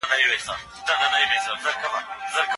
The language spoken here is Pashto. هغه پرون تر غره پوري ولاړی.